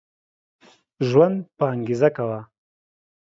ژوند په انګيزه کوه